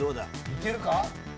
いけるか？